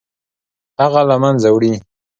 هغه له منځه وړي.